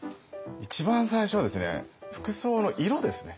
一番最初はですね服装の色ですね。